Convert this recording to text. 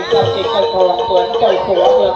เจ้าสิทธิ์ใจพอรับสวน